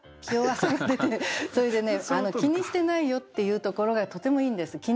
気弱さが出てそれでね「気にしてないよ」っていうところがとてもいいんです。